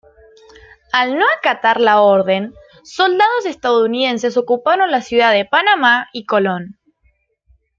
Al no acatar la orden, soldados estadounidenses ocuparon la ciudad de Panamá y Colón.